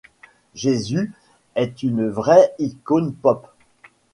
Jésus est une vraie icône pop.